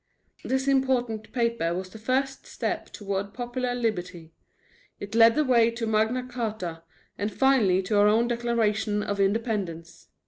This important paper was the first step toward popular liberty. It led the way to Magna Charta, and finally to our own Declaration of Independence.